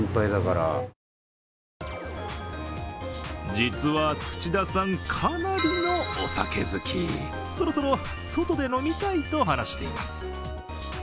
実は土田さん、かなりのお酒好きそろそろ外で飲みたいと話しています。